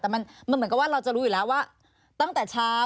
แต่มันเหมือนกับว่าเราจะรู้อยู่แล้วว่า